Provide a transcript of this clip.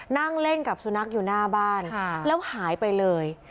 นั่งเล่นกับสุนัขอยู่หน้าบ้านแล้วหายไปเลย